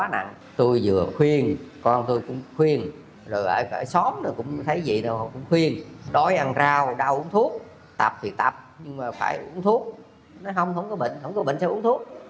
nói không không có bệnh không có bệnh thì uống thuốc